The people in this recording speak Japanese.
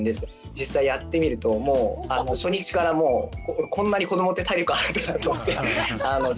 実際やってみるともう初日からもうこんなに子どもって体力あるんだと思ってびっくりしました。